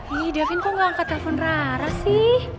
ihh davin kok gak angkat telepon rara sih